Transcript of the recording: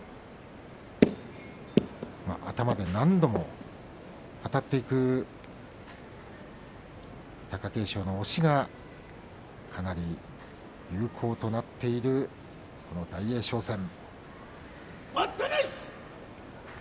頭で、何度もあたっていく貴景勝の押しがかなり有効となっている大栄翔戦。